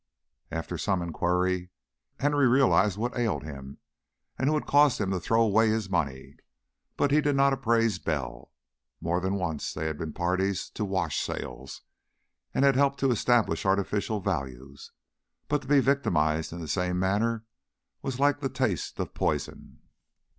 After some inquiry Henry realized what ailed him and who had caused him to throw away his money, but he did not apprise Bell. More than once they had been parties to "wash sales," and had helped to establish artificial values, but to be victimized in the same manner was like the taste of poison.